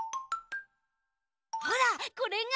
ほらこれが。